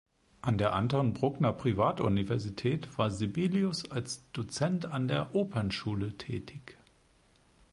An der Anton Bruckner Privatuniversität war Sibelius als Dozent an der Opernschule tätig.